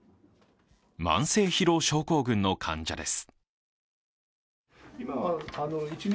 慢性疲労症候群の患者です。